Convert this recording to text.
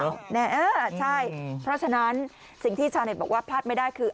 เพราะฉะนั้นสิ่งที่ชาวเน็ตบอกว่าพลาดไม่ได้คือ